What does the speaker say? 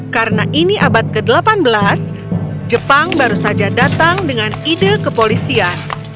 karena ini abad ke delapan belas jepang baru saja datang dengan ide kepolisian